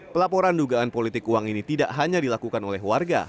pelaporan dugaan politik uang ini tidak hanya dilakukan oleh warga